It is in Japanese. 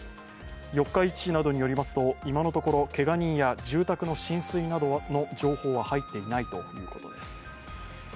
四日市市などによりますと今のところ、けが人や住宅の浸水などの情報は入っていないということです。